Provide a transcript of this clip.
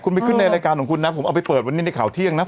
คุณไปขึ้นในรายการของคุณนะผมเอาไปเปิดวันนี้ในข่าวเที่ยงนะ